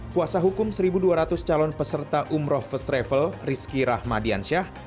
kuasa hukum satu dua ratus calon peserta umroh first travel rizky rahmadiansyah